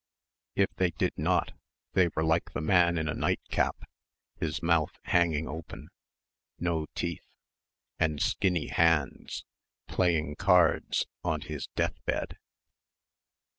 If they did not they were like the man in a night cap, his mouth hanging open no teeth and skinny hands, playing cards on his death bed.